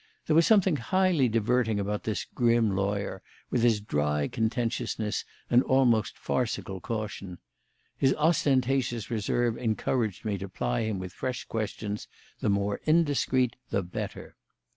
There was something highly diverting about this grim lawyer, with his dry contentiousness and almost farcical caution. His ostentatious reserve encouraged me to ply him with fresh questions, the more indiscreet the better.